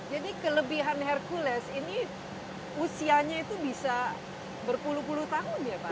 jadi kelebihan hercules ini usianya itu bisa berpuluh puluh tahun ya pak